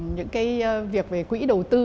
những cái việc về quỹ đầu tư